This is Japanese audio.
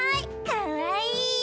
かわいい！